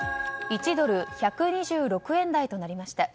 １ドル＝１２６円台となりました。